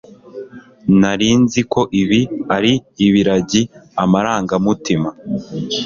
Nari nzi ko ibi ari ibiragi amarangamutima